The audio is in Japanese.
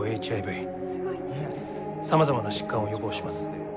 さまざまな疾患を予防します。